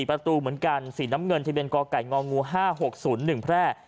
ประตูเหมือนกันสีน้ำเงินทะเบียนกไก่ง๕๖๐๑แพร่